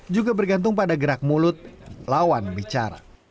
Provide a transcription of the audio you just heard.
juga bergantung pada gerak mulut lawan bicara